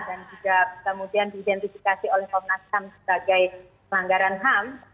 dan juga kemudian diidentifikasi oleh komnasam sebagai pelanggaran ham